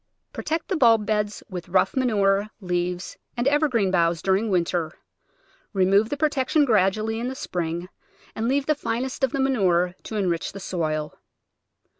Protect the bulb beds with rough manure, leaves, and evergreen boughs during winter. Remove the protection gradually in the spring, and leave the finest of the manure to enrich the soil.